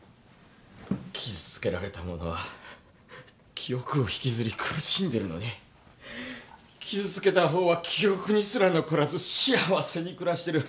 傷つけられた者は記憶を引きずり苦しんでるのに傷つけた方は記憶にすら残らず幸せに暮らしてる。